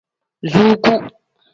Zuuku.